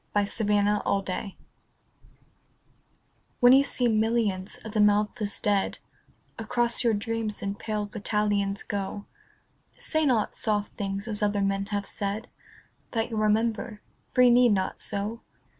XCI The Army of Death WHEN you see millions of the mouthless dead Across your dreams in pale battalions go, Say not soft things as other men have said, That you'll remember. For you need not so.